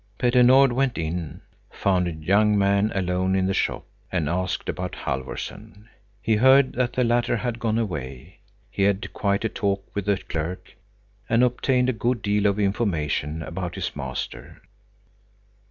Petter Nord went in, found a young man alone in the shop, and asked about Halfvorson. He heard that the latter had gone away. He had quite a talk with the clerk, and obtained a good deal of information about his master.